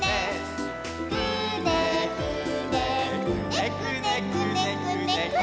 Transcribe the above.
「くねくねくねくねくねくね」